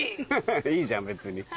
いいじゃん別に。